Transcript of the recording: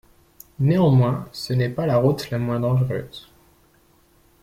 Néanmoins ce n'est pas la route la moins dangereuse.